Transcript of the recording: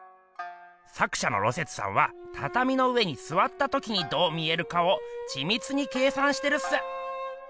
作しゃの芦雪さんはたたみの上にすわったときにどう見えるかをちみつに計算してるっす。